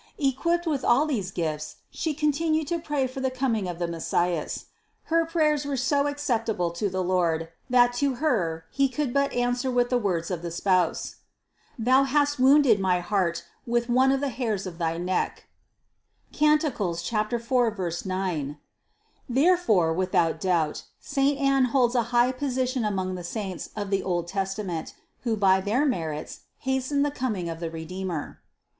Equipped with all these gifts, she continued to pray for the coming of the Messias. Her prayers were so acceptable to the Lord, that to her He could but answer with the words of the Spouse : "Thou hast wounded my heart with one of the hairs of thy neck" (Cant. 4, 9). Therefore, without doubt, saint Anne holds a high position among the saints of the old Testa ment, who by their merits hastened the coming of the Redeemer.